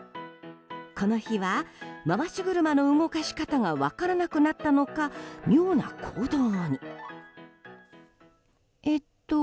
この日は、回し車の動かし方が分からなくなったのか妙な行動に。